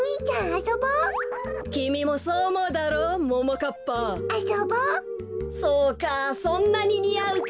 そうかそんなににあうか。